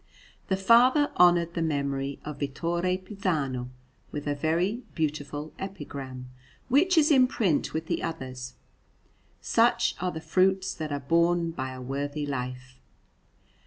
The father honoured the memory of Vittore Pisano with a very beautiful epigram, which is in print with the others. Such are the fruits that are borne by a worthy life.